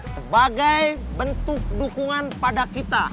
sebagai bentuk dukungan pada kita